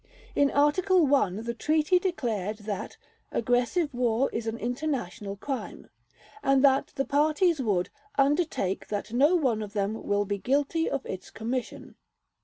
In Article I the Treaty declared "that aggressive war is an international crime", and that the parties would "undertake that no one of them will be guilty of its commission".